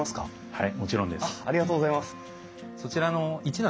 はい。